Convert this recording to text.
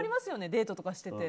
デートとかしてて。